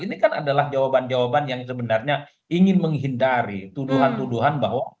ini kan adalah jawaban jawaban yang sebenarnya ingin menghindari tuduhan tuduhan bahwa